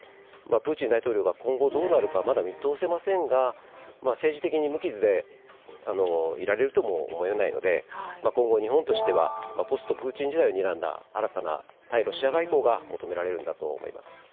プーチン大統領が今後どうなるかまだ見通せませんが政治的に無傷でいられるとも思えないので今後、日本としてはポストプーチン時代をにらんだ対ロシア外交が求められるんだと思います。